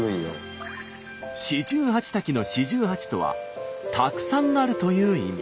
四十八滝の「四十八」とは「たくさんある」という意味。